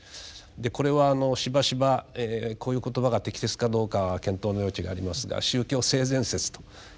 でこれはしばしばこういう言葉が適切かどうかは検討の余地がありますが宗教性善説と言ったりしていますがね。